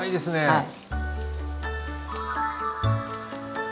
はい。